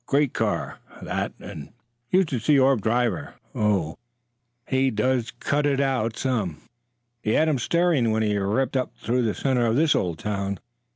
Great car, that. And you should see Orv drive her. Oh, he does cut it out some! He had 'em staring when he ripped up through the center of this old town.